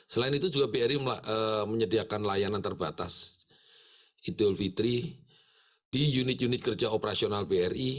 selain itu juga bri menyediakan layanan terbatas idul fitri di unit unit kerja operasional bri